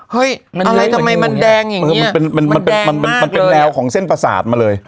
เฮ้ยอะไรทำไมมันแดงอย่างเงี้ยมันแดงมากเลยมันเป็นแรงของเส้นประสาทมาเลย